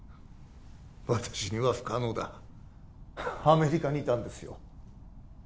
私には不可能だアメリカにいたんですよ